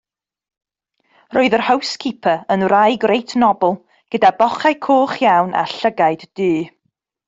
Roedd yr howscipar yn wraig reit nobl, gyda bochau coch iawn a llygaid du.